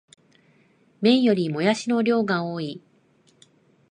麺よりもやしの量が多い